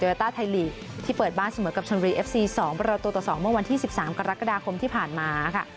ต้าไทยลีกที่เปิดบ้านเสมอกับชนบุรีเอฟซี๒ประตูต่อ๒เมื่อวันที่๑๓กรกฎาคมที่ผ่านมาค่ะ